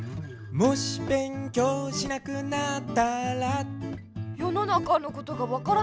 「もしべんきょうしなくなったら？」よの中のことが分からなくなる。